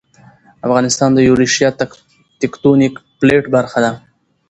افغانستان د یوریشیا تکتونیک پلیټ برخه ده